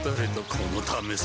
このためさ